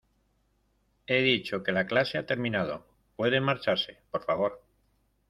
he dicho que la clase ha terminado. pueden marcharse, por favor .